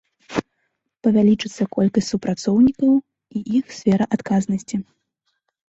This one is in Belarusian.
Павялічыцца колькасць супрацоўнікаў і іх сфера адказнасці.